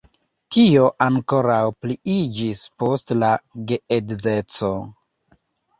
Tio ankoraŭ pliiĝis post la geedzeco.